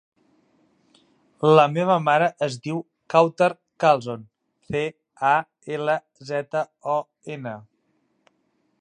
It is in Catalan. La meva mare es diu Kawtar Calzon: ce, a, ela, zeta, o, ena.